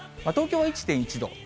東京は１．１度。